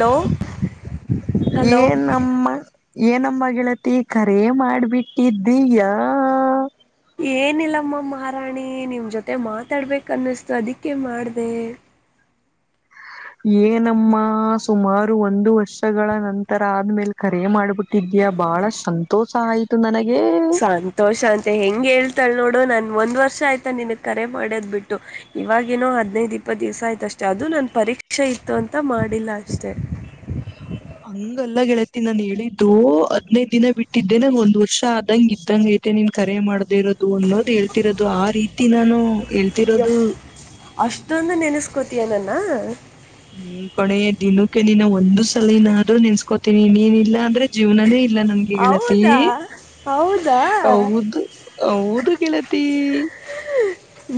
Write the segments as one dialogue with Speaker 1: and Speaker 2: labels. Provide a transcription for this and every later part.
Speaker 1: hello hello
Speaker 2: ಏನ್ಮ್ಮ ಏನಂಬ ಳತಿ ಕಖರೇ ಮಾಡ್ಬಿಟ್ಟಿದ್ದೀಯ
Speaker 1: ಏನಿಲ್ಲಮ್ಮ ಮಹಾರಾಣಿ ನಿಮ್ ಜೊತೆ ಮಾತಾಡ್ಬೇಕ ಅನ್ನಿಸ್ತು ಅದಕ್ಕೆೇ ಮಾಡ್ದ
Speaker 2: ಏನಮ್ಮ ಸುಮಾರು ಒಂದು ವರ್ಷಗಳ ನಂತರ ಆದ್ಮೇಲೆ ಕರೆ ಮಾಡ್ಬಿಟ್ಟು ದ್ಯಾ ಬಾಳ ಸಂತೋಷ ಆಯ್ತು ನನಗೆ
Speaker 1: ಸಂತೋಷ ಅಂತ ಹೆಂಗ್ ಹೇಳ್ತಾಳ ನೋಡು ನನ್ ಒಂದ್ ವರ್ಷ ಆಯ್ತಾ ನಿನಗ್ ಕರೆ ಮಾಡೋದ್ ಬಿಟ್ಟು ಇವಾಗಿಏನೋ ಹದಿನೈದು ಇಪ್ಪತ್ತು ದಿವಸ ಆಯ್ತ ಅಷ್ಟೇ ಅದು ನನ್ ಪರಿ ಪರೀಕ್ಷೆ ಇತ್ತು ಅಂತ ಮಾಡಿಲ್ಲ ಅಷ್ಟೇ
Speaker 2: ಹಂಗಲ್ಲ ಗೆಳತಿ ನಾನ್ ಹೇಳಿದ್ದು ಹಾದ್ನಯ್ ದಿನ ಬಿಟ್ಟಿದ್ದೆ ನಂಗ ಒಂದ್ ವರ್ಷ ಆದಂಗ ಇದ್ದಂಗ ಐ ಮತ್ತೆ ನಿನ್ ಕರೆ ಮಾಡದಿ ಇರೋದು ಅನ್ನೋದು ಹೇಳ್ತಿರೋದು ಆ ರೀತಿ ನಾನು ಹೇಳ್ತಿರೋದು
Speaker 1: ಯಪ್ ಅಷ್ಟೊಂದು ನೆನೆಸ್ಕೋತಯ ನನ್ನ
Speaker 2: ಹ್ಮ್ ಕೊನೆಯ ದಿನಕ್ಕೆ ನೀನ್ನ ಒಂದು ಸಲ ನಾದ್ರೂ ನೆನ್ಸ್ಕೋತೀನಿ ಇನ್ನೇನಿಲ್ಲಾ ಅಂದ್ರೆ ಜೀವನೇ ಇ ಇಲ್ಲ ನನ್ಗೆ ಹೇಳತಿ
Speaker 1: ಹೌದಾ ಹೌದಾ
Speaker 2: ಉದು ಉದು ಗೆಳತಿ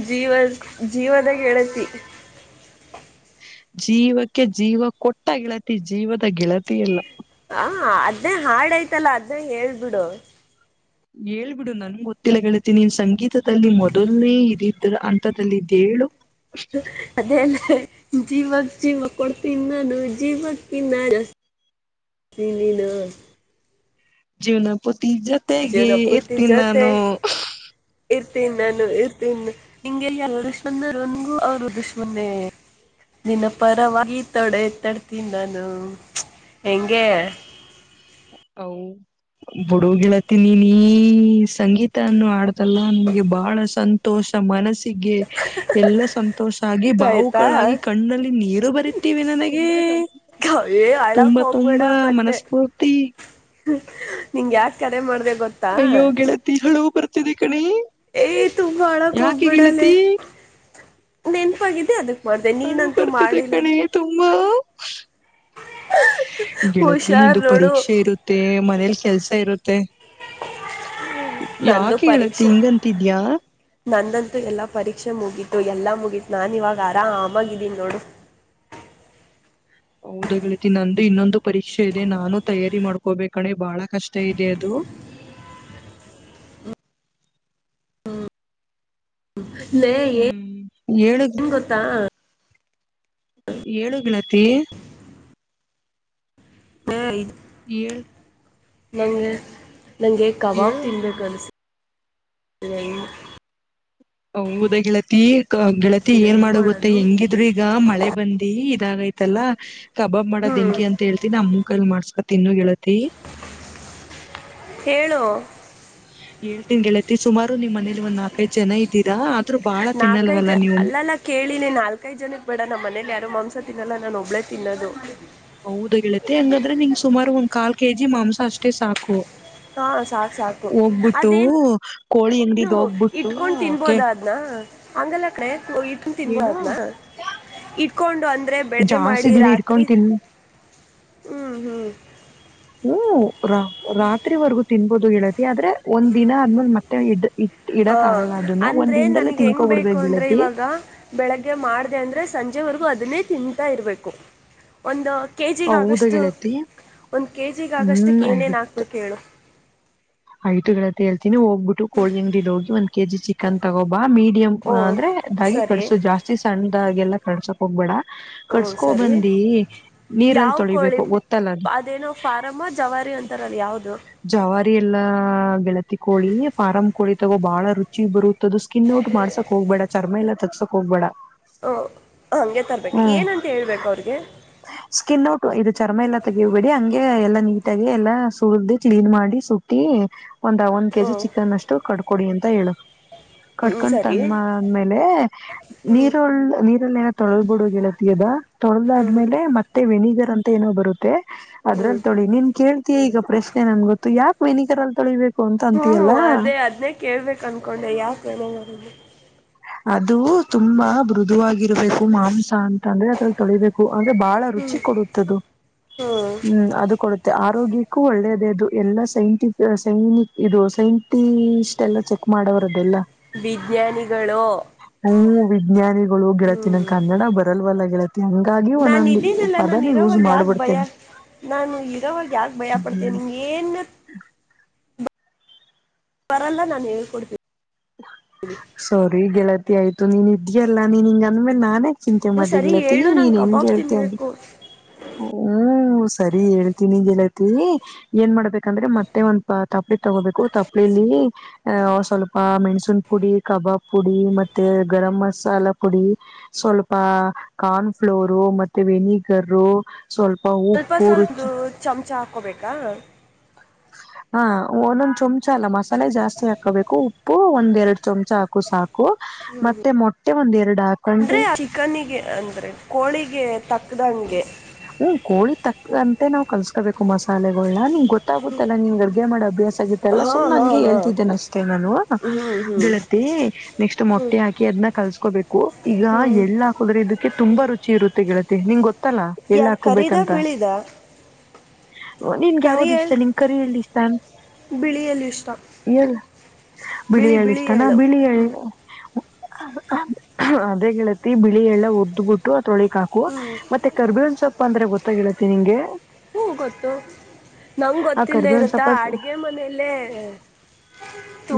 Speaker 1: ಜೀವ ಜೀವದ ಗೆಳತಿ
Speaker 2: ಜೀವಕ್ಕೆ ಜೀವ ಕೊಟ್ಟ ಗೆಳತಿ ಜೀವದ ಗೆಳತಿ ಎಲ್ಲ
Speaker 1: ಹ ಅದ್ನೇ ಹಾಡ್ಯ್ತಲ್ಲ ಅದ್ನೇ ಹೇಳ್ಬಿಡು
Speaker 2: ಹೇಳ್ಬಿಡು ನನ್ ಗೊತ್ತಿಲ್ಲ ಕೇಳ್ತೀಿ ನೀನ್ ಸಂಗೀತದಲ್ಲಿ ಮೊದಲ್ನೇ ಇದಿದ್ರ ಅಂತದಲ್ಲಿ ಇದ್ದೇ
Speaker 1: ಹ ಜೀವಕ್ ಜೀವ ಕೊಡ್ತೀ ನಾನು ಜೀವ ತಿನ್ನ ತಿಲಿನ
Speaker 2: ಜೀವನಪುತಿ ಜೊತೆಗೆ
Speaker 1: ಜೀವನ ಪೂರ್ತಿ
Speaker 2: ಇರ್ತೀನಿ ನಾನು
Speaker 1: ಇರ್ತೀನ್ಿ ನಾನು ಇರ್ತೀನಿ ನಿಂಗೆ ಎಲ್ಲ ದುಶ್ಮನ್ ನನ್ಗೂ ಅವರು ದುಶ್ಮನೆ ನಿನ್ನ ಪರವಾಗಿ ತೊಡೆ ಎತ್ತಾಡ್ತೀನಿ ನಾನು ಎಗೆ
Speaker 2: ಹೌ ಬುಡುಗಿಳತಿನಿ ನೀ ಸಂಗೀತನ್ನು ಆಡ್ತಲ್ಲಾ ನಮಗೆ ಬಹಳ ಸಂತೋಷ ಸಮಾನಸ ಗೆ ಎಲ್ಲ ಸಂತೋಷ ಆಗಿ
Speaker 1: ಆಯ್ತಾ
Speaker 2: ಬಾವುಕಳಾಗಿ ಕಣ್ಣಲ್ಲಿ ನೀರು ಬರಿತೀವಿ ನನಗೆ
Speaker 1: ಏ ಅಳಕ್
Speaker 2: ತುಂಬಾ ತುಂಬಾ ಮನಸ್ಪೂರ್
Speaker 1: ನಿಂಗ ಯಾಕೆ ಕರೆ ಮಾಡ್ದ
Speaker 2: ಅಯ್ಯೋ ಗೆಳತಿ ಹಳೂ ಬರ್ತಿದೆ ಕಣಿ
Speaker 1: ಏಯ್ ತುಂಬಾ ಅಳಕ್ ಹೋಗ್ಬೇಡಲ್ಲ ನೆನ್ಪಗಿದಿ ಅದು
Speaker 2: ಹಳು ಬರ್ತಿದೆ ಕಣೆ ತುಂಬಾ
Speaker 1: ಹುಷಾರ್
Speaker 2: ಗೆಳತನಂದು
Speaker 1: ನೋಡು
Speaker 2: ಪರೀಕ್ಷೆ ಇರುತ್ತೆ ಮನೇಲಿ ಕೆಲ್ಸ ಇರುತ್ತೆ
Speaker 1: ನಂದು
Speaker 2: ಯಾಕೆ ಹೇಳತ್ತೆ
Speaker 1: ಪರೀಕ್ಷೆ
Speaker 2: ಹಿಂಗಂತಿದ್ಯಾ
Speaker 1: ನಂದಂತೂ ಎಲ್ಲಾ ಪರೀಕ್ಷೆ ಮುಗೀತು ಎಲ್ಲಾ ಮುಗೀತು ನಾನ ಇವಾಗ ಆರಾ ಆಮಾಗಿದ್ದೀನಿ ನೋಡು
Speaker 2: ಹೌದ ಹೇತಿ ನಂದು ಇನ್ನೊಂದು ಪರೀಕ್ಷೆ ಇದೆ ನಾನು ತಯಾರಿ ಮಾಡ್ಕೋಬೇಕಣೆ ಬಹಳ ಕಷ್ಟ ಇದೆ ಅದು
Speaker 1: ಹ್ಮ ನ ಏನ್
Speaker 2: ಹ್ಮ್ ಏಳು
Speaker 1: ಏನ್ ಗೊತ್ತಾ
Speaker 2: ಏಳು ಿಳತಿ
Speaker 1: ಹ
Speaker 2: ಏಳ
Speaker 1: ನಂಗೆ ನಂಗೆ ಕಬಾಬ್
Speaker 2: ಏಳು
Speaker 1: ತಿನ್ಬೇಕು ಅನ್ಸ ಇ
Speaker 2: ಹೌದಾ ಗೆಳತಿ ಗೆಳತಿ ಏನ್
Speaker 1: ಹೆಂಗ್
Speaker 2: ಮಾಡೋ ಗೊತ್ತ
Speaker 1: ಮಾಡೋದು
Speaker 2: ಹೆಂಗಿದ್ರರು ಈಗ ಮಳೆ ಬಂದಿ ಇದಾಗೈತಲ್ಲಾ ಕಬಾಬ್ ಮಾಡೋ್
Speaker 1: ಹ್ಮ್
Speaker 2: ಹೆಂಕಿ ಅಂತ ಹೇಳ್ತಿನಿ ನಮ್ಮ ಕಲ್ ಮಾಡ್ಸ್ಕೊ ತಿ ಇನ್ನುಗೆೇಳತಿ
Speaker 1: ಏಳು
Speaker 2: ಏಳ್ ತಿನ್ ಗೆಳತಿ ಸುಮಾರು ನಿಮ್ ಮನೇಲಿ ಒಂದ್ ನಾಕೈಐ್ ಜನ ಇದೀರಾ ಆದ್ರೂ ಬಾಳ ತಿನ್ನಲ್ವಲ್ಲ ನೀವು
Speaker 1: ಲ್ಲ ಕೇಳಿ ನಾಲ್ಕೈದು ಜನ ಬೇಡ ನಮ್ಮ ಮನೇಲಿ ಯಾರು ಮಾಂಸ ತಿನ್ನಲ್ಲ ನಾನು ಒಬ್ಳೇ ತಿನ್ನೋದು
Speaker 2: ಹೌದ ಹೇಳೀತ್ತೆ ಹೆಂಗಾದ್ರೆ ನಿಂ ಸುಮಾರು ಒಂದ್ ಕಾಲ್ ಕೆ ಜಿ ಮಾಂಸ ಅಷ್ಟೇ ಸಾಕು
Speaker 1: ಹಾ ಸಾಕು ಸಾಕು
Speaker 2: ಹೋಗ್ಬಿಟ್ಟು ಕೋಳಿ ಅಂಗಡಿಗ್
Speaker 1: ನೀನು
Speaker 2: ಹೋಗ್ಬಿಟ್ಟು
Speaker 1: ಇಟ್ಕೊಂಡ್
Speaker 2: ಕೆ
Speaker 1: ತಿನ್ಬೋದಾದ ಆದ್ನ ಹಂಗಲ್ಲ ಕ ಇಟ್ಕೊಂಡು ತಿನ್ಬೋ
Speaker 2: ಏನು
Speaker 1: ಅದ್ನ ಇಟ್ಕೊಂಡು ಅಂದ್ರೆ ಬೆಳಗ್ಗೆ
Speaker 2: ಜಾಸ್ತಿ
Speaker 1: ಮಾಡಿ
Speaker 2: ದಿನ
Speaker 1: ರಾತ್ರಿ
Speaker 2: ಇಡ್ಕೊಂಡ್ ತಿನ್
Speaker 1: ಹ್ಮ್ ಹ್ಮ್
Speaker 2: ಹ್ಮ ರಾ ರಾತ್ರಿವರೆಗೂ ತಿನ್ಬೋದು ಹೇಳತ್ತೆ ಆದ್ರೆ ಒಂದ್ ದಿನ ಆದ್ಮಲ್ ಮತ್ತೆ ಇ ಇ ಇಡಕ್
Speaker 1: ಹಾಂ
Speaker 2: ಆಗಲ್ಲ ಅದನ್ನ ಒಂದ
Speaker 1: ಅಂದರೆ
Speaker 2: ದಿನದಲ್ಲೇ
Speaker 1: ನನಗೆ ಹೆಂಗ್ ಬೇಕು
Speaker 2: ತಿಿಂದನ್ಕೊಬಿಡ್ಬೇಕ
Speaker 1: ಅಂದರೆ
Speaker 2: ಳತಿ
Speaker 1: ಇವಾಗ ಬೆಳಗ್ಗೆ ಮಾಡಿದೆ ಅಂದ್ರೆ ಸಂಜೆವರೆಗೂ ಅದನ್ನೇ ತಿಂತಾ ಇರಬೇಕು ಒಂದು ಕೆ
Speaker 2: ಹೌದು
Speaker 1: ಜಿಗಗಷ್ಟು
Speaker 2: ಗೆಳತಿ
Speaker 1: ಒಂದು ಕೆ ಜಿಗಾಗಷ್ಟಕ್ಕೆ ಏನೇನು ಹಾಕ್ಬೇಕು ಹೇಳು
Speaker 2: ಐ್ು ಗಳತ್ತ ಹೇಳ್ತಿನನಿ ಹೋಗ್ಬಿಟ್ಟ ಕೋಳಿಂಗಡಿಲಿ ಹೋಗಿ ಒಂದ್ ಕೆ ಜಿ ಚಿಕನ್ ತಗೋಬ ಮೀಡಿಯಂ್
Speaker 1: ಓ
Speaker 2: ಅಂದ್ರೆ ಇದಾಗಿ
Speaker 1: ಸರಿ
Speaker 2: ಕಡಸೋ ಜಾಸ್ತಿ ಸಣ್ಣಾಗೆಲ್ಲ ಕಡ್ಸಕ್ ಹೋಗ್ಬೇಡ
Speaker 1: ಹ್ಞೂ
Speaker 2: ಕಡ್ಸ್ಕೋ
Speaker 1: ಸರಿ
Speaker 2: ಬಂದಿ ನೀರಲ್ಲಿ
Speaker 1: ಯಾವ ಕೋಳಿ
Speaker 2: ತೊಳಿಬೇಕು ಗೊತ್ತಲ್ಲ ಅದು
Speaker 1: ಅಂತರ ಯಾವ್ದದು
Speaker 2: ಜವಾರಿ ಎಲ್ಲಾ ಬೆಗೆಳತಿ ಕೋಳಿ ಫಾರಂ್ ಕೋಳಿ ತಗೋ ಬಾಳ ರುಚಿ ಬರುತ್ತ ಸ್ಕಿನ್ ಔಟ್ ಮಾಡಸಕಕ್ ಹ್ಬೇಡ ಚರ್ಮ ಎಲ್ಲ ತಸಕ್ ಹೋಗ್ಬೇಡ
Speaker 1: ಓ ಹಂಗೆ ತರ್ಬೇಕು
Speaker 2: ಹ್ಮ್
Speaker 1: ಏನಂತ ಹೇಳ್ಬೇಕು ಅವ್ರಿಗೆ
Speaker 2: ಸ್ಕಿನ್ ನೋಟು ಇದು ಚರ್ಮ ಎಲ್ಲ ತೆಗಬೇಡಿ ಹಂಗೆ ಎಲ್ಲ ನೀ ಎಲ್ಲ ಸು್ದು ಕ್ಲೀನ್ ಮಾಡಿ ಸುಟ್ಟಿ ಒಂದ್ ಒಂದ್
Speaker 1: ಹ್ಞೂ
Speaker 2: ಕೆಜಿ ಚಿಕನ್ ಅಷ್ಟು ಕ ಕೊಡಿ ಅಂತ ಹೇಳು
Speaker 1: ಹ್ಞೂ
Speaker 2: ಕರ್ಕೊಂಡ್
Speaker 1: ಸರಿ
Speaker 2: ತಂದ ಆದ್ಮೇಲೆ
Speaker 1: ಹ್ಞೂ
Speaker 2: ನೀರುಳ್ಳ ನೀ ಏನೋ ತೊಳೆಬಿಡು ಗೆಳತ ಅದ
Speaker 1: ಹ್ಞೂ
Speaker 2: ತೊಳ್ದಾದ್ಮೇಲೆ ಮತ್ತೆ ವೆಿಗರ್ ಅಂತ ಏನೋ ಬರುತ್ತೆ
Speaker 1: ಹ್ಞೂ
Speaker 2: ಅದ್ರಲ್ ತೊಳಿ ನೀನ್ ಕೇಳ್ತೀಯಾ ಈಗ ಪ್ರಶ್ನೆ ಯಾಕ್ ವೆನಿಕರ್ ಅಲ್ ತೊಳಿಬೇಕು ಅಂತ ಅಂತೀಯಲ್ಲ
Speaker 1: ಹ್ಮ್ ಅದೇ ಅದನೇ ಕೇಳ್ಬೇಕ ಅನ್ಕೊಂಡೆ ಯಾಕ ಹೇಳ ಬರದು
Speaker 2: ಅದು ತುಂಬಾ ಮೃದುವಾಗಿರ್ಬೇಕು ಮಾಂಸ ಅಂತ ಅಂದ್ರೆ ಅದ್ರಲ್ಲಿ ತೊಳಿಬೇಕು ಅ್ರೆ ಬಹಳ
Speaker 1: ಹ್ಮ್
Speaker 2: ರುಚಿ ಕೊಡುತ್ತದು ಹ್ಮ್ ಅದು ಕೊಡುತ್ತೆ ಆರೋಗ್ಯಕ್ಕೂ ಒಳ್ಳೇದೇ ಅದು ಎಲ್ಲ ಸೈಂಟಿ ಸೈನಕ್ ಇದು ಸೈಂಟಿಸ್ಟ್ ಎಲ್ಲ ಚೆಕ್ ಮಾಡೋ ತರದದೆಲ್ಲ
Speaker 1: ವಿಜ್ಞಾನಿ
Speaker 2: ಹ್ಮ ವಿಜ್ಞಾನಿಗಳು ಗೆಳತಿನಂ ಕನ್ನಡ ಬರಲ್ವಲ್ಲ ಗೆಳತ್ತ
Speaker 1: ನಾ ಇದೀನಲ್ಲ ನಾನು
Speaker 2: ಯೂಸ್
Speaker 1: ಇರವಾಗ ಯಾವ್ದ ಭಯ
Speaker 2: ಮಾಡ್ಬಿಡ್ತೇನೆ
Speaker 1: ನಾನು ಇರಾಗ ಯ್ದ ಭಯ ಪಡ್ತೇ ನಿಂಗ ಏನ್ ವರಲ್ಲ ನಾು ಹೇಳ್ಕೊಡ್ತೀಿ
Speaker 2: ಸರಿ ಗೆಳತಿ ಆಯ್ತು ನೀನ್ ಇದ್ಯಲ್ಲಾ ನೀನ್ ಹಿಂಗ ಅಂದ್ಮೇಲೆ ನಾನೇ ಚಿಂತೆ
Speaker 1: ನೀವು ಸರಿ
Speaker 2: ಮಾಡ್್ದಿಲತ್ತ ಈ
Speaker 1: ಹೇಳು
Speaker 2: ನೀನ್
Speaker 1: ನಂಗೆ
Speaker 2: ಹೆನ್ಗೆ
Speaker 1: ಕಬಾಬ್
Speaker 2: ಹೇಳ್ತೇ
Speaker 1: ತಿನ್ಬೇಕು
Speaker 2: ಹ್ಮ ಸರಿ ಹೇಳ್ತೀನಿಗೆಲತಿ ಏನ್ ಮಾಡ್ಬೇಕಂದ್ರೆ ಮತ್ತೆ ಒಂದ್ಪ ತಪ್ಪ ತಗೋಬೇಕು ತಪ್ಲಿಲಿ ಅಹ ಸ್ವಲ್ಪ ಮೆಣ್ಸನ್ ಪುಡಿ ಕಬಾಬ್ ಪುಡಿ ಮತ್ತೆ ಗರಂ ಮಸಾಲ ಪುಡಿ ಸ್ವಲ್ಪ ಕಾರ್ನ್ಫ್ಲೋರು ಮತ್ತೆ ವೆನಿಗರು
Speaker 1: ಸ್ವಲ್ಪ
Speaker 2: ಉಪ್ಪು
Speaker 1: ಸ್ವಲ್ಪ
Speaker 2: ರುಚಿ
Speaker 1: ಚಮಚ ಹಾಕೋಬೇಕಾ
Speaker 2: ಹಾ ಒಂದೊಂದ್ ಚೊಮಚ ಅಲ್ಲ ಮಸ ತಲೆ ಜಾಸ್ತಿ ಹಾಕೋಬೇಕು ಉಪ್ಪು ಒಂದ್ ಎರಡು ಚಮಚ ಹಾಕು ಸಾಕು ಮತ್ತೆ ಮೊಟ್ಟೆ ಒಂದ್ ಎರಡು ಹಾಕೊಂಡು
Speaker 1: ಅಂದ್ರೆ ಚಿಕನಿಗೆ ಅಂದ್ರೆ ಕೋಳಿಗೆ ತಕ್ದಂಗೆ
Speaker 2: ಹ್ಮ ಕೋಳಿ ತಕ್ಕಂತೆ ನಾವ್ ಕಲ್ಸ್ಕೋಬೇಕು ಮಸಾಲೆಗಳ ನಿಮ್ ಗೊತ್ತ ಗೊತ್ತಾಗುತ್ತೆಲ್ಲಾ ನಿನ್ಗೆ ಅರ್ಗೆ ಮಾಡ ಅಭ್ಯಾಸ ಆಗಿೆ ಎಲ್ಲಾ
Speaker 1: ಹಾ
Speaker 2: ಸುಮ್ಮ್
Speaker 1: ಹಾ
Speaker 2: ಹಂಗೆ
Speaker 1: ಹಾ
Speaker 2: ಹೇಳ್ತಿದ್ದೇನೆ ಅಷ್ಟೆ ನಾನು
Speaker 1: ಹ್ಮ್ ಹ್ಮ್
Speaker 2: ಗೆಳತಿ ನೆಕ್ಸ್ಟ್
Speaker 1: ಹ್ಮ್
Speaker 2: ಮೊೆ ಹಾಕಿದನ್ನ ಕಲ್ಸ ಹಾಕೋಬೇಕು ಈಗ
Speaker 1: ಹ್ಮ್
Speaker 2: ಎಳ್ಳು ಹಾಕದ್ರೆ ಇದಕ್ಕೆ ತುಂಬಾ ರುಚಿ ಇರುತ್ತೆ ಗಳತ್ತೆ ನಿಂಗ ಗೊತ್ತಲ್ಲ ಎಳ್
Speaker 1: ಯಾವ್ದ್ ಕರಿದ
Speaker 2: ಹಾಕೋಬೇಕಂತ
Speaker 1: ಬಿಳಿದ
Speaker 2: ನಿನ್ಗ ಯಾವ್ದ್ ಇಷ್ಟ ನಿನ್ ಕರಿ ಎಲ್ಲಿ ಇಷ್ಟ ಅ
Speaker 1: ಬಿಳಿಯಲ್ಲ ಇಷ್ಟ
Speaker 2: ಬಿಳಿ ಹೇಳಳಿ ಇಷ್ಟಾನ ಬಿಳಿಿ ಅದೇಗೆತಿ ಬಿಳಿ ಎಲ್ಲ ಉದ್ದ್ ಬಿಟ್ಟು ತೊಳಿಕ್ ಹಾಕುವ
Speaker 1: ಹ್ಮ್
Speaker 2: ಮತ್ತೆ ಕರ್ಬಿ ಒ ಗೊತ್ತಾಗಿ ಹೇಳತ್ತೆ ನಿಂಗೆ
Speaker 1: ಹ್ಮ ಗೊತ್ತು ನಂಗ್
Speaker 2: ಆ
Speaker 1: ಗೊತ್ತಿಲ್ಲ
Speaker 2: ಕರ್ಬೇವಿನ್
Speaker 1: ಇರತ್ತಾ
Speaker 2: ಸೊಪ್ಪ
Speaker 1: ಅಡ್ಗೆ ಮನೇಲ್ಲೇ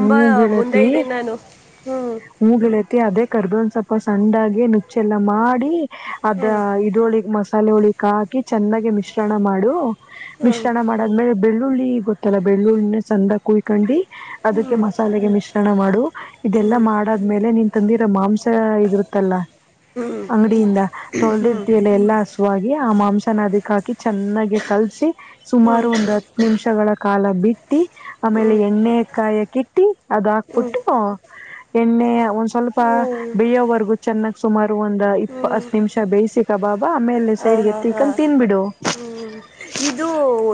Speaker 2: ಹ ಗೆಳತಿ
Speaker 1: ಹ್ಞೂ
Speaker 2: ಹೂ ಗೆಳತಿ ಅದೇ ಕರ್ದು ಒಂದ ಸ್ವಲ್ಪ ಸಣ್ಣಾಗ ನುಚ್ಚೆಲ್ಲ ಮಾಡಿ ಅದ
Speaker 1: ಹ್ಞೂ
Speaker 2: ಇದೋಳಗ್ ಮಸ್ ತಾಲ ಹಳಿಕ್ ಹಾಕಿ ಚೆನ್ನಾಗಿ ಮಿಶ್ರಣ ಮಾಡು ಮಿಶ್ರಣ ಮಾಡದ್ಮೇಲೆ ಬೆಳ್ಳುಳ್ಳಿ ಗೊತ್ತಲ್ಲ ಬೆಳ್ಳುಳ್ಳಿನ ಚಂದ ಕುಯ್ಕೊಂಡು ಅದಕ್ಕೆ
Speaker 1: ಹ್ಞೂ
Speaker 2: ಮಸಾಲೆಗೆ ಮಿಶ್ರಣ ಮಾಡು ಇದೆಲ್ಲಾ
Speaker 1: ಹ್ಞೂ
Speaker 2: ಮಾಡಾದ್ಮೇಲೆ ನೀನ್ ತಂದಿರೋ ಮಾಂಸ ಇದಿರುತ್ತಲ್ಲ
Speaker 1: ಹ [unintelligible]
Speaker 2: ಅಂಗಡಿಯಿಂದ ತೊಳೆದಿರ್ತಿಯಲ್ಲ ಎಲ್ಲಾ ಹಸುವಾಗಿ ಆ ಮಾಂಸ ಅದಕ್ ಹಾಕಿ ಚೆನ್ನಾಗಿ ಕಲ್ಸಿ
Speaker 1: ಹ್ಞೂ ಹ್ಞೂ ಹ್ಞೂ
Speaker 2: ಸುಮಾರು ಒಂದ್ ಹತ್ತು ನಿಮಿಷಗಳ ಕಾಲ ಬಿಟ್ಟ [inaudible] ಇಟ್ಟಿ ಆಮೇಲೆ ಎಣ್ಣೆ ಕಾಯಕಿಟ್ಟಿ ಅದ
Speaker 1: ಹ್ಞೂ ಹ್ಞೂ
Speaker 2: ಹಾಕ್ಬಿಟ್ಟು ಎಣ್ಣೆ ಒಂದ್ ಸ್ವಲ್ಪ ಬೇಯೋವರ್ಗೂ ಚೆನ್ನ ಒಂದ್
Speaker 1: ಹ್ಞೂ
Speaker 2: ಇಪ್ಪ ಹತ್ ನಿಮಿಷ ಬೇಯಿಸಿಸಿಕ ಬಾಬಾ ಆಮೇಲೆ
Speaker 1: ಹಾಂ
Speaker 2: ಸೈಡ್ಗೆ
Speaker 1: ಹಾಂ ಹಾಂ
Speaker 2: ಎತ್ತಕೊಂಡ ತಿನ್ಬಿಡು
Speaker 1: ಹ್ಞೂ ಇದು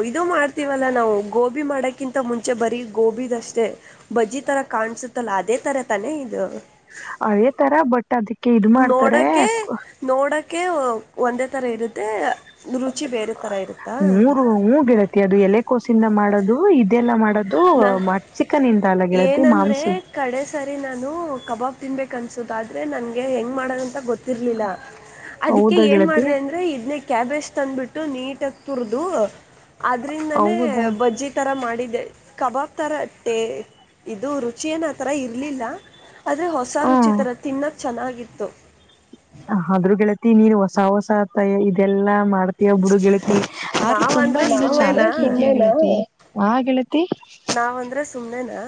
Speaker 1: ಇದು ಮಾಡ್ ತವಲ್ಲಾ ನಾವು ಗೋಬಿ ಮಾಡಕ್ಕಿಂತ ಮುಂಚೆ ಬರೀ ಗೋಬಿಿದಷ್ಟೇ ಬಜಿ ತರ ಕಾಣಸುತ್ತಲ್ಲ ಅದೇ ತರ ತಾನೇ ಇದು
Speaker 2: ಅದೆ ತರ ಬಟ್ಟ
Speaker 1: ನೋಡಕೆ ನೋಡಕೆ ಒಂದೇ ತರ ಇರುತ್ತೆ ರುಚಿ ಬೇರೆ ಥರ ಇರುತ್ತಾ
Speaker 2: ಮೂರು ಮೂಗಿಡತಿ ಅದು ಎಲೆ ಕೋಸಿಂದ ಮಾಡೋದು ಇದೆಲ್ಲ ಮಾಡೋದು
Speaker 1: ನಾ
Speaker 2: ಚಿಕನ್ ಇಂದ ಎಲ್ಲ ಗೆಳತಿ
Speaker 1: ಏನಂದರೆ
Speaker 2: ಮಾಂಸದ
Speaker 1: ತಿನ್ಬೇಕ ಅನ್ಸೋದಾದ್ರೆ ನನ್ಗೆ ಹೆಂಗ್ ಮಾಡೋದಂತ ಗೊತ್ತ ಇರ್ಲಿಲ್ಲ ಅದಕ್ಕೆ
Speaker 2: ಹೌದಾ
Speaker 1: ಏನ್
Speaker 2: ಗೆಳತಿ
Speaker 1: ಮಾಡ್ರ ಅಂದ್ರೆ ಇದನ ಕ್ಯಾಬೇಜ್ ತಂದುಬಿಟ್ಟು ನೀಟಾಗಿ ತುರ್ದುು ಆದ್ರಿಂದಾನೇ
Speaker 2: ಹೌದಾ
Speaker 1: ಬಜ್ಜಿ ಥರ ಮಾಡಿದೆ ಕಬಾಬ್ ಥರ ಟೇ ಇದು ರುಚಿ ಏನ ಆಥರ ಇರಲಿಲ್ಲ ಆದದ್ರೆ ಹೊಸ
Speaker 2: ಹ್ಮ
Speaker 1: ರುಚಿ ತರ ತಿನ್ನಕ್ ಚೆನ್ನಾಗಿತ್ತು
Speaker 2: ಆದ್ರೂ ಗೆಳತಿ ನೀರ್ ಹೊಸ ಹೊಸ ಆತ ಇದೆಲ್ಲಾ ಮಾಡ್ತಯಬ್ಬುಡು ಗೆಳತಿ ಆ್ [unintelligible] ತುಂಬಾ
Speaker 1: ನಾವಂದರೆ ಸುಮ್ಮನೆನಾ
Speaker 2: ಆ ಗೆಳತಿ
Speaker 1: ನಾವಂದ್ರೆ ಸುಮ್ಮ್ನೆನಾ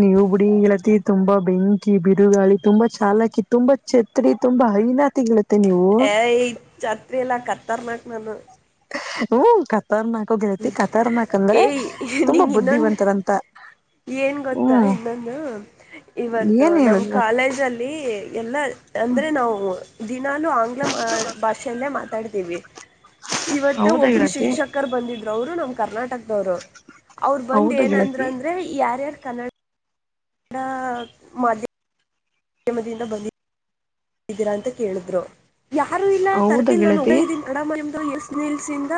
Speaker 2: ನೀವು ಬಿುಡಿ ಗೆಳತಿ ತುಂಬಾ ಬೆಂಕಿ ಬಿರುಗಾಳಿ ತುಂಬಾ ಚಾಲಕಿ ತುಂಬಾ ಛತ್ರಿ ತುಂಬಾ ಹೈನ
Speaker 1: ಏ ಚಾತ್ರಿ ಎಲ್ಲ ಕತ್ತರ್ನಕ್ ನಾನು
Speaker 2: ಹ್ಮ ಕ ಖತರ್ನಾಕ್ ಗೆಳತಿ ಖತರ್ನಾಕ್ ಅಂದ್ರೆ
Speaker 1: ಏಯ್
Speaker 2: ತುಂಬಾ
Speaker 1: ನಿಂಗ್ ಇನ್ನೊಂದ್
Speaker 2: ಬುದ್ಧಿವಂತರಂತ
Speaker 1: ಏನ್ ಗೊತ್ತಾ
Speaker 2: ಹ್ಮ್
Speaker 1: ಇನ್ನೊಂದು ಇವತ್ತು
Speaker 2: ಏನ್
Speaker 1: ನಮ್
Speaker 2: ಹೇಳುದ
Speaker 1: ಕಾಲೇಜ ಅಲ್ಲಿ ಎಲ್ಲ ಅಂದ್ರೆ ನಾವು ದಿನಾನೂ ಆಂಗ್ಲ ಭಾಷೆಯಲ್ಲೇ ಮಾತಾಡ್ತೀವಿ ಇವತ್ತೇ
Speaker 2: ಹೌದಾ
Speaker 1: ಒಬ್ರು
Speaker 2: ಗೆಳತಿ
Speaker 1: ಶಿಕ್ಷಕರು ಬಂದಿದ್ದ ಅವರು ನಮ್ ಕರ್ನಾಟಕದವರು ಅವ್ರ ಬಂದ್
Speaker 2: ಹೌದಾ
Speaker 1: ಏನಂದ್ರ
Speaker 2: ಗೆಳತಿ
Speaker 1: ಅಂದ್ರೆ ಯಾರ್ಯಾರ್ ಕನ್ನಡ ಡ ಮಾಧ್ಯಮ ಮಾಧ್ಯಮದಿಂದ ಬಂದಿದ್ದ ಹೀರಾ ಅಂತ ಕೇಳಿದ್ರು ಯಾರು ಇಲ್ಲ
Speaker 2: ಹೌದಾ
Speaker 1: ತರ್ತಿಲ್ ನಾನು ಉಡ
Speaker 2: ಗೆಳತಿ
Speaker 1: ಇದೀಡ ಎ ಸ್ ನಿಲ್ಸಿಂದ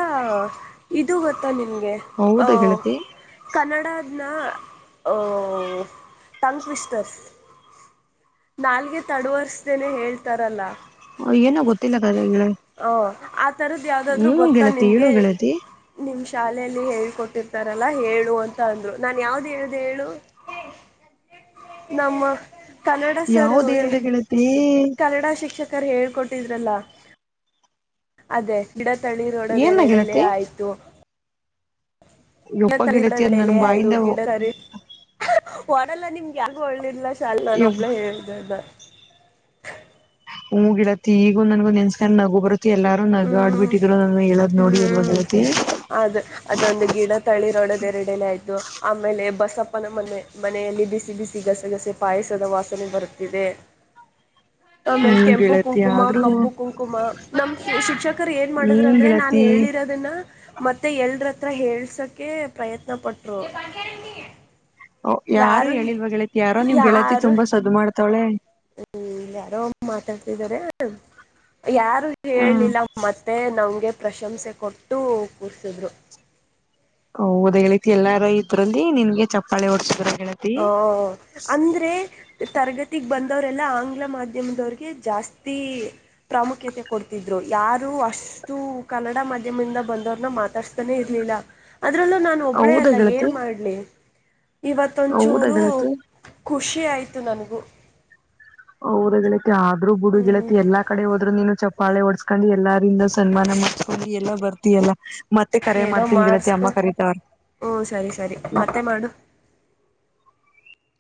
Speaker 1: ಇದು ಗೊತ್ತಾ ನಿಮಗೆ
Speaker 2: ಹೌದಾ ಗೆಳತಿ
Speaker 1: ಕನ್ನಡದ ಇನ್ನ ಟಂಗ್ ಟ್ವಿಸ್ಟರ್ ನಾಲ್ಗೆ ತಡುವರ್ಸ್ದೇನೆ ಹೇಳ್ತಾರಲ್ಲ
Speaker 2: ಏನೋ ಗೊತ್ತಿಲ್ಲ ಕದಗಳ
Speaker 1: ಈ ಥರದ್ದು ಯಾವು್ದಾದ್ರು ಗೊತ್ತಾ
Speaker 2: ಹೇಳು
Speaker 1: ನಿಿನಗೆ
Speaker 2: ಗೆಳತಿ
Speaker 1: ನಿಮ್ಮ ಶಾಲೆಯಲ್ಲಿ ಹೇಳ್ ಕೊಟ್ಟಿರ್ತಾರಲ್ಲಾ ಹೇಳು ಅಂತ ಅಂದ್ರು ನಾನ್ ಯಾವ್ದ್ ಹೇಳ್ದ ಹೇಳು ನಮ್ಮ ಕನ್ನಡ ಸರು
Speaker 2: ಯಾವ್ದ್ ಹೇಳ್ದ ಗೆಳತಿ
Speaker 1: ಕನ್ನಡ ಶಿಕ್ಷಕರು ಹೇಳ್ಕೊಟ್ಟಿದ್ರಲ್ಲ ಅದೇ ಗಿಡತಳಿ
Speaker 2: ಏನ
Speaker 1: ರೋಡದೆರಡಲೇ
Speaker 2: ಗೆಳತಿ
Speaker 1: ಆಯ್ತು ಗಿಡ
Speaker 2: ಒಪ್ಪ ಗಿಳಿತ ನನ್
Speaker 1: ತಳಿರೊಡದೆಲೆ ಆಯ್ತು
Speaker 2: ಬಾಯಿಂದ
Speaker 1: ಅಲ್ಲ ನಿಮ್ಗೆ ಯಗು ಒಳ್ಳೇದಲ ಶಾಲ್ ನಾನ ಒೋಗಲ ಹೇಳಿದೆ
Speaker 2: ಹೂ ಗಿಡತ್ತತಿ ಈಗ ನನ್ಗೊ ನೆನ್ಸ್ಕ ನಗು ಬರುತ್ತೆ ಎಲ್ಲಾರು ನಗ
Speaker 1: ಹ್ಮ್
Speaker 2: ಆಡ್ಬಿಟ್ಟಿದ್ರು ನ ಹೇಳದ್ ನೋಡಿ ಎಲ್ವಾಗ ಹೇತಿ
Speaker 1: ಅದು ಅದೊಂದು ಗಿಡ ತಳಿ ರೊಡ ರೆಡನ ಆಯ್ತು ಆಮೇಲೆ ಬಸಪ್ಪನ ಮನೆ ಮನೆಯಲ್ಲಿ ಬಿಸಿ ಬಿಸಿ ಗಸಗಸೆ ಪಾಯಸದ ವಾಸನೆ ಬಿದೆ ಆಮೇಲೆ
Speaker 2: ಹ್ಮ್
Speaker 1: ಕೆಂಪು
Speaker 2: ಗೆಳತಿ
Speaker 1: ಕುಂಕುಮ
Speaker 2: ಆದ್ರೂ
Speaker 1: ಕಪ್ಪು ಕುಂಕುಮ ನ ಶಿಕ್ಷಕರು ಏನ್ ಮಾಡಿದರು
Speaker 2: ಹ್ಮ್
Speaker 1: ಅಂದ್ರೆ ನಾನ್
Speaker 2: ಗೆಳತಿ
Speaker 1: ಹೇಳಿರೋದನ್ನ ಮತ್ತೆ ಎಲ್ರ ಹತ್ರ ಹೇಳ್ಸಕ ಪ್ರಯತ್ನ ಪಟ್ರು
Speaker 2: ಓ ಯಾರು ಹೇಳಿಲ್ವ ಗೆಳತಿ ಯಾರೋ ನಿಮ್ ಗೆಳತಿ ತುಂಬಾ ಸದ್ದ್ ಮಾಡ್ತಾವಳೆ
Speaker 1: ಹ್ಮಲ್ಲಾರೋ ಮಾತಾಡ್ತಿದ್ದಾರೆ ಯಾರು
Speaker 2: ಹ್ಮ್
Speaker 1: ಹೇಳಲಿಲ್ಲ ಮತ್ತೆ ನಮ್ಗೆ ಪ್ರಶಂಸೆ ಕೊಟ್ಟು ಕೂರಿಸಿದ್ರು
Speaker 2: ಹ ಹದತಿ ಎಲ್ಲಾರು ಇದ್ರಲ್ಲಿ ನಿನ್ಗೆ ಚಪ್ಪಾಳಿ ಹೊಓಡ್ತಿದ್ರ
Speaker 1: ಹ ಅಂದ್ರೆ ತರಗತಿಗ್ ಬಂದವರೆಲ್ಲಾ ಆಂಗ್ಲ ಮಾಧ್ಯಮದವರಿಗೆ ಜಾಸ್ತಿ ಪ್ರಾಮುಖ್ಯತೆ ಕೊಡ್ತಿದ್ರು ಯಾರು ಅಷ್ಟು ಕಾಲ ಕನ್ನಡ ಮಾಧ್ಯಮದಿಂದ ಬಂದವ್ರನ್ನ ಮಾತಾಡ್ಸ್ತಾನೆ ಇರ್ಲಿಲ್ಲ ಅದರಲ್ಲೂ ನಾನು ಒಬ್ಳೇ
Speaker 2: ಹೌದಾ
Speaker 1: ಅಲ್ಲ ಏನ್
Speaker 2: ಗೆಳತಿ
Speaker 1: ಮಾಡಲಿ
Speaker 2: ಹೌದಾ
Speaker 1: ಇವತ್ತೊಂಚೂರು
Speaker 2: ಗೆಳತಿ
Speaker 1: ಖುಷಿ ಆಯಿತು ನನಗೂ
Speaker 2: ಓ ದ ಿಳಿತಿ ಆದ್ರರು ಬುಡು
Speaker 1: ಹ್ಮ್
Speaker 2: ಗಿಳತಿ ಎಾ ಕಡೆ ಹೋದರು ನೀನು ಚಪಾಳೆ ಓಡ್ಸ್ ಹಾಕೊಂಡು ಎಲ್ಲಾರಂದ ಸನ್ಮಾನ ಮಾಡಸ್ಕೊಂಡು ಎಲ್ಲಾ ಬರ್ತಯಲ್ಲ ಮತ್ತೆ ಕರ
Speaker 1: ಏನೋ
Speaker 2: ಮಾಡ್ತನ್ಿ ಗಗೆಲತಿ
Speaker 1: ಮಾಡಿಸ್ಕೊ
Speaker 2: ಅಮ್ಮ
Speaker 1: ಹ್ಞೂ ಸರಿ ಸರಿ
Speaker 2: ಕರೀತವ್ರ
Speaker 1: ಮತ್ತೆ ಮಾಡು